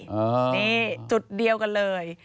นี่จุดเดียวกันเลย